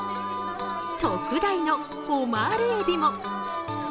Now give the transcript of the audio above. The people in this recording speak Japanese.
特大のオマールえびも。